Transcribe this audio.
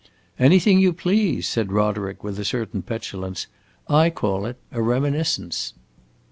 "Anything you please!" said Roderick, with a certain petulance. "I call it A Reminiscence."